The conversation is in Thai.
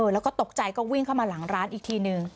แล้วก็ตกใจก็วิ่งเข้ามาหลังร้านอีกทีนึง